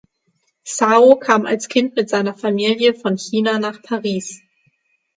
Cao kam als Kind mit seiner Familie von China nach Paris.